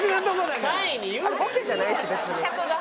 あれボケじゃないし別に。